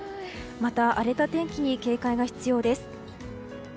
また荒れた天気に警戒が必要です。